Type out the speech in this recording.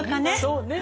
そうね。